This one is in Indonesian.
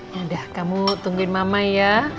yaudah kamu tungguin mama ya